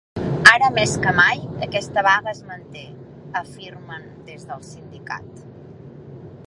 Ara més que mai, aquesta vaga es manté, afirmen des del sindicat.